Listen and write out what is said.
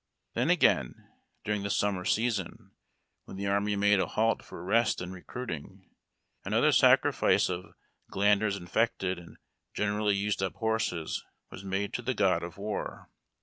Then, again, during the summer season, when the army made a halt for rest and recruiting, another sacrifice of glanders infected and gen erally used up horses was made to the god of war.